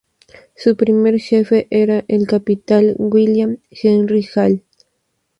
Su primer jefe era el capitán William Henry Hall.